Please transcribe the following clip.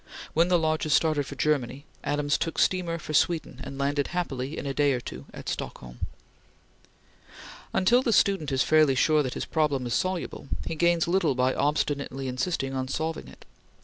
When the Lodges started for Germany, Adams took steamer for Sweden and landed happily, in a day or two, at Stockholm. Until the student is fairly sure that his problem is soluble, he gains little by obstinately insisting on solving it.